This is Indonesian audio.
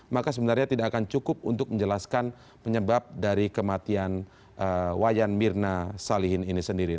maka sebenarnya tidak akan cukup untuk menjelaskan penyebab dari kematian wayan mirna salihin ini sendiri